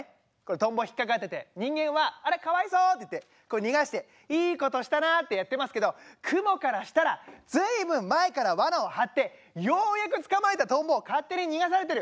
トンボ引っ掛かってて人間は「あらかわいそう」って言って逃がしていいことしたなってやってますけどクモからしたら随分前からわなを張ってようやく捕まえたトンボを勝手に逃がされてる。